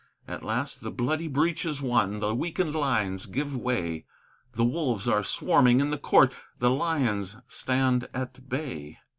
At last the bloody breach is won; the weakened lines give way; The wolves are swarming in the court; the lions stand at bay.